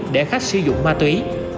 để khách sử dụng ma túy